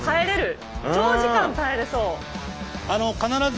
長時間耐えれそう。